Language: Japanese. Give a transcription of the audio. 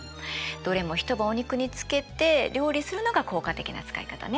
どれも一晩お肉に漬けて料理するのが効果的な使い方ね。